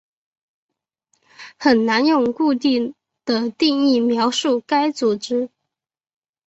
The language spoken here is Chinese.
很难用固定的定义描述该组织。